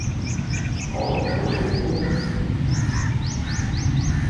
可能有肚風